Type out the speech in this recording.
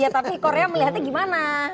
tapi korea melihatnya gimana